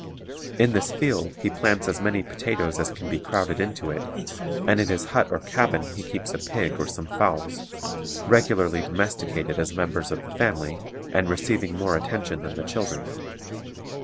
In this field he plants as many potatoes as can be crowded into it; and in his hut or cabin he keeps a pig or some fowls, regularly domesticated as members of the family, and receiving more attention than the children.